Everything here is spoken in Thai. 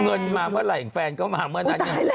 เงินมาเมื่อไรแฟนก็มาเมื่อไร